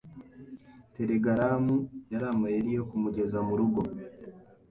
Telegaramu yari amayeri yo kumugeza murugo.